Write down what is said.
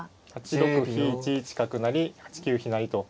８六飛１一角成８九飛成と。